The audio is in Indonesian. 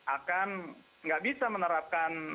akan tidak bisa menerapkan